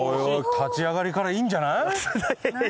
立ち上がりからいいんじゃない？